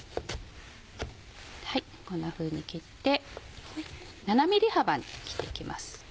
こんなふうに切って７ｍｍ幅に切っていきます。